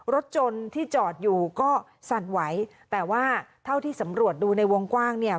รถยนต์ที่จอดอยู่ก็สั่นไหวแต่ว่าเท่าที่สำรวจดูในวงกว้างเนี่ย